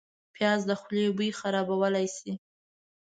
پیاز د خولې بوی خرابولی شي